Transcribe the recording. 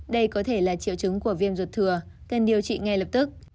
đây có thể là triệu chứng của viêm ruột thừa cần điều trị ngay lập tức